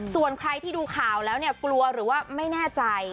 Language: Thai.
ส่วนใครที่ดูข่าวแล้วเนี่ยกลัวหรือว่าไม่แน่ใจ